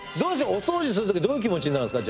お掃除する時どういう気持ちになるんですか？